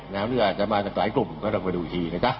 อาจจะมาจากหลายกลุ่มก็ต้องมาดูอีกทีนะจ๊ะ